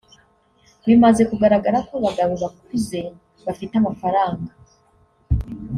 Bimaze kugaragara ko abagabo bakuze bafite amafaranga